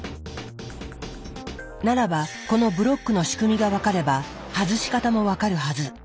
ならばこのブロックの仕組みが分かれば外し方も分かるはず。